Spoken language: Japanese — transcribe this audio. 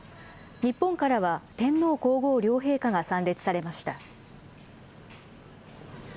日本からは天皇皇后両陛下が参列されました。